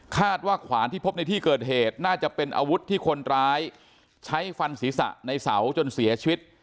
ว่าขวานที่พบในที่เกิดเหตุน่าจะเป็นอาวุธที่คนร้ายใช้ฟันศีรษะในเสาจนเสียชีวิต